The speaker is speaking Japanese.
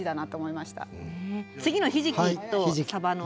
次のひじきとさばの。